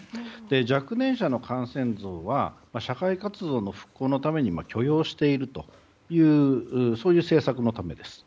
若年者の感染数は社会活動の復興のために許容しているという政策のためです。